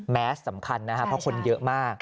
แมสสำคัญนะครับเพราะคนเยอะมาก